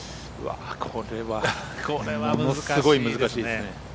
ものすごい難しいですね。